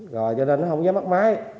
rồi cho nên nó không dám bắt máy